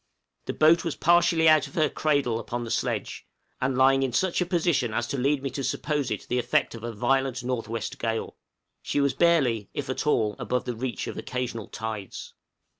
The boat was partially out of her cradle upon the sledge, and lying in such a position as to lead me to suppose it the effect of a violent north west gale. She was barely, if at all, above the reach of occasional tides.